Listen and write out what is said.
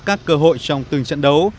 các cơ hội trong từng trận đấu